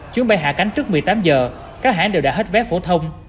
chuyến bay hạ cánh trước một mươi tám giờ các hãng đều đã hết vé phổ thông